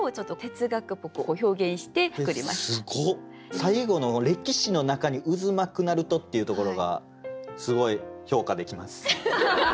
最後の「歴史の中に渦巻くなると」っていうところがすごい評価できます。